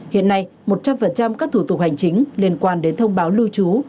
hiện nay một trăm linh các thủ tục hành chính liên quan đến thông báo lưu trú